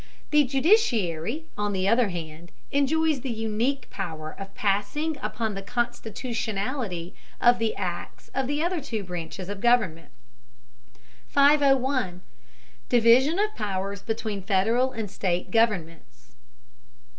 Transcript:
The judiciary, on the other hand, enjoys the unique power of passing upon the constitutionality of the acts of the other two branches of government. 501. DIVISION OF POWERS BETWEEN FEDERAL AND STATE GOVERNMENTS.